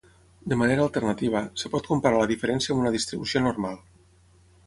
De manera alternativa, es pot comparar la diferència amb una distribució normal.